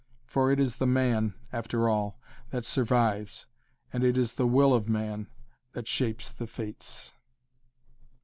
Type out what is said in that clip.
For it is the man, after all, that survives and it is the will of man that shapes the fates.